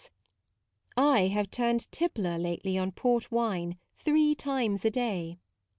I have turned tippler lately on port wine, three times a day.